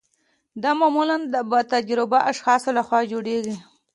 دا معمولا د با تجربه اشخاصو لخوا جوړیږي.